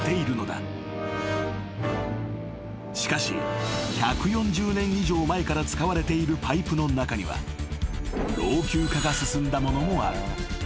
［しかし１４０年以上前から使われているパイプの中には老朽化が進んだものもある］